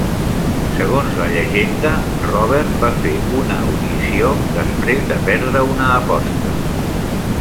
Segons la llegenda, Robert va fer una audició després de perdre una aposta.